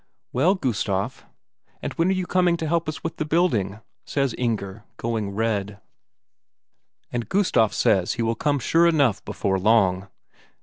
"Well, Gustaf, and when are you coming to help us with the building?" says Inger, going red. And Gustaf says he will come sure enough before long.